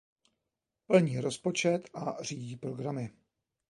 Plní rozpočet a řídí programy.